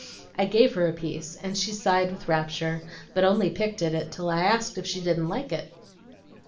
I gave her a piece, and she sighed with rapture, but only picked at it till I asked if she didn't like it.